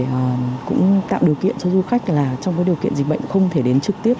thì cũng tạo điều kiện cho du khách là trong cái điều kiện dịch bệnh không thể đến trực tiếp